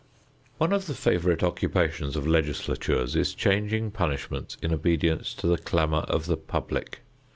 One of the favorite occupations of legislatures is changing punishments in obedience to the clamor of the public.